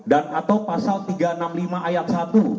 atau pasal tiga ratus enam puluh lima ayat satu